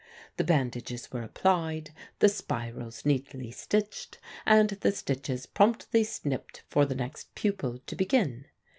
The bandages were applied, the spirals neatly stitched, and the stitches promptly snipped for the next pupil to begin.